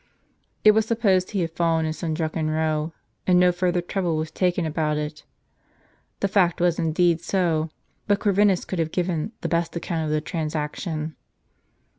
It was supposed he had fallen in some drunken row; and no further trouble was taken about it. The fact was indeed so ; but Corvinus could have given the best account of the transaction.